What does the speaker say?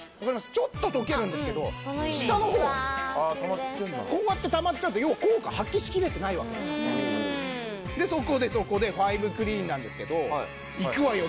ちょっと溶けるんですけど下の方こうやってたまっちゃうと要は効果発揮しきれてないわけなんですけどでそこでそこでファイブクリーンなんですけどいくわよ